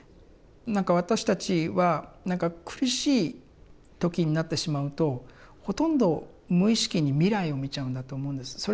なんか私たちは苦しい時になってしまうとほとんど無意識に未来を見ちゃうんだと思うんです。